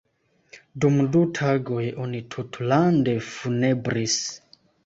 Dum du tagoj oni tutlande funebris.